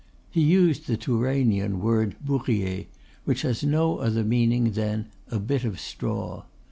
He used the Tourainean word "bourrier" which has no other meaning than a "bit of straw."